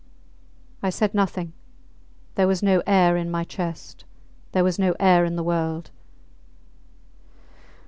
I said nothing; there was no air in my chest there was no air in the world.